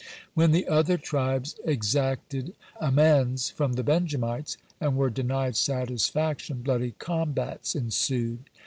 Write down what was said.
When the other tribes exacted amends from the Benjamites, and were denied satisfaction, bloody combats ensued.